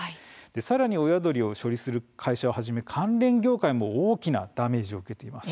さらに親鳥を処理する会社をはじめ関連業界も大きなダメージを受けています。